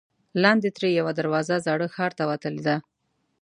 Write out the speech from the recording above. لاندې ترې یوه دروازه زاړه ښار ته وتلې ده.